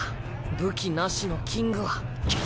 武器なしのキングは。